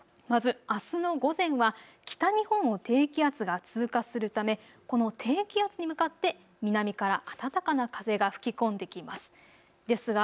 まず、あすの午前は北日本を低気圧が通過するためこの低気圧に向かって南から暖かな風が吹き込んできます。